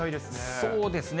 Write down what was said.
そうですね。